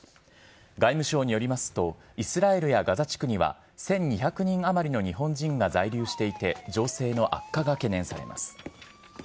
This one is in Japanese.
外務省によりますと、イスラエルやガザ地区には１２００人余りの日本人が在留していて、情勢の悪化が懸念されます。